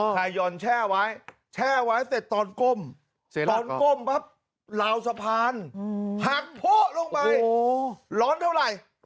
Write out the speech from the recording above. ไข่หย่อนแช่ไว้แช่ไว้เสร็จตอนกลมตอนกลมแบบลาวสะพานหักโผล่ลงไป